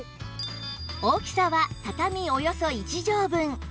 大きさは畳およそ１畳分